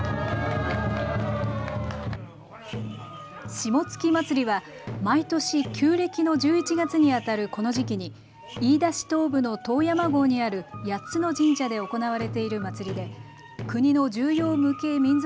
霜月祭りは毎年、旧暦の１１月にあたるこの時期に飯田市東部の遠山郷にある８つの神社で行われている祭りで国の重要無形民俗